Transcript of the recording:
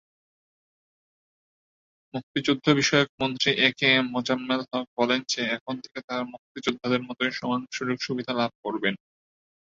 মুক্তিযুদ্ধ বিষয়ক মন্ত্রী একেএম মোজাম্মেল হক বলেন যে এখন থেকে তারা মুক্তিযোদ্ধাদের মতই সমান সুযোগ সুবিধা লাভ করবেন।